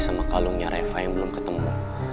sama kalungnya reva yang belum ketemu